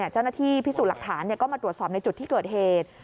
เจ้าหน้าที่พิสูจน์หลักฐานก็มาตรวจสอบในจุดที่เกิดเหตุ